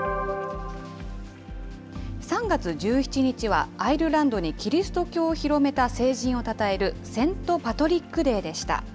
３月１７日は、アイルランドにキリスト教を広めた聖人をたたえる、セント・パトリックデーでした。